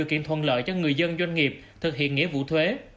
điều kiện thuận lợi cho người dân doanh nghiệp thực hiện nghĩa vụ thuế